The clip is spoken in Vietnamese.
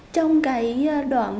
trong cái đoạn